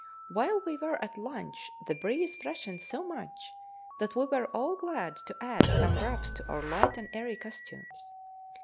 While we were at lunch, the breeze freshened so much that we were all glad to add some wraps to our light and airy costumes.